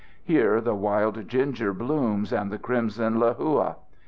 Here the wild ginger blooms and the crimson lehua.